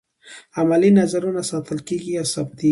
عملي نظرونه ساتل کیږي او ثبتیږي.